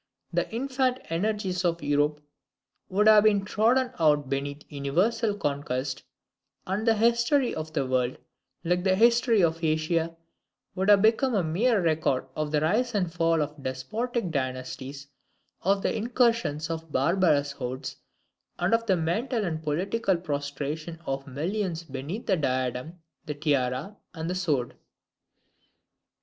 The infant energies of Europe would have been trodden out beneath universal conquest; and the history of the world, like the history of Asia, would have become a mere record of the rise and fall of despotic dynasties, of the incursions of barbarous hordes, and of the mental and political prostration of millions beneath the diadem, the tiara, and the sword.